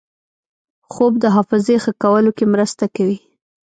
خوب د حافظې ښه کولو کې مرسته کوي